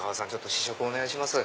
試食お願いします。